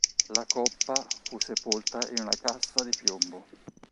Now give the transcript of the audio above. La coppa fu sepolta in una cassa di piombo.